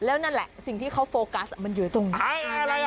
แล้วนั่นแหละสิ่งที่เขาโฟกัสมันอยู่ตรงนี้